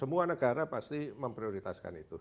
semua negara pasti memprioritaskan itu